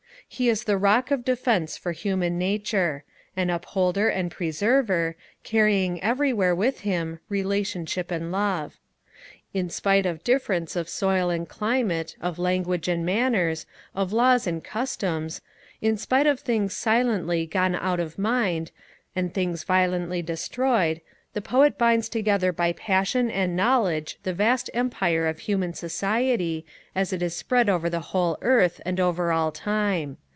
He is the rock of defence for human nature; an upholder and preserver, carrying everywhere with him relationship and love. In spite of difference of soil and climate, of language and manners, of laws and customs: in spite of things silently gone out of mind, and things violently destroyed; the Poet binds together by passion and knowledge the vast empire of human society, as it is spread over the whole earth, and over all time.